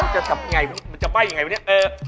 บอกว่ามันจะไปอย่างไรเปล่าเนี่ย